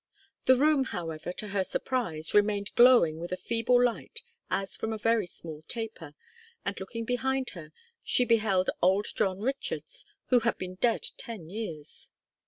The room, however, to her surprise, remained glowing with a feeble light as from a very small taper, and looking behind her she beheld 'old John Richards,' who had been dead ten years.